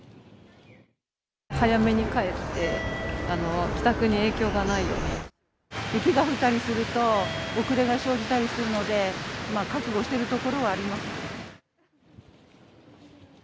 早めに帰って、帰宅に影響が雪が降ったりすると、遅れが生じたりするので、覚悟しているところはあります。